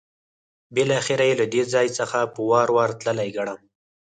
بالاخره یې له دې ځای څخه په وار وار تللی ګڼم.